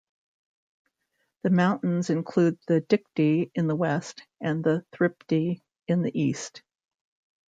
The mountains include the Dikti in the west and the Thrypti in the east.